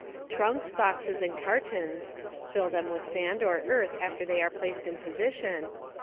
Trunks, boxes and cartons (fill them with sand or earth after they are placed in position).